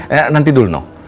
eh nanti dulu nno